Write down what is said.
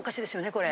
これ。